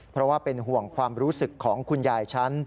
เพราะว่าเป็นห่วงความรู้สึกของคุณยายฉัน